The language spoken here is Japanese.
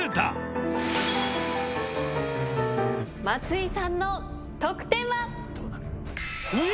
松井さんの得点は？